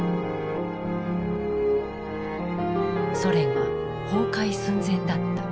ソ連は崩壊寸前だった。